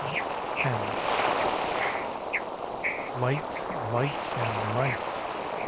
10 Light, light, and light!